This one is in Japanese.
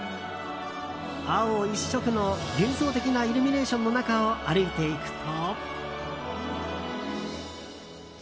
青一色の幻想的なイルミネーションの中を歩いていくと。